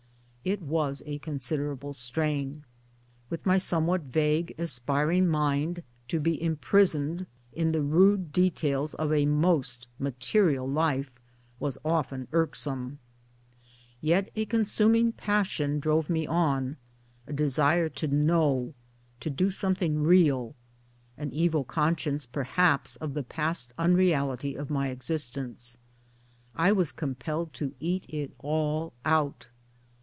It was a considerable strain. With my somewhat vague aspiring mind, to be imprisoned in the rude details of a most material life was often irksome. Yet a consuming passion drove me on a desire to know, to do something real, an evil conscience per haps of the past unreality of my existence. I was compelled to eat it all out.